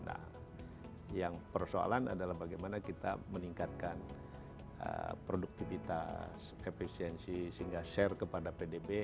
nah yang persoalan adalah bagaimana kita meningkatkan produktivitas efisiensi sehingga share kepada pdb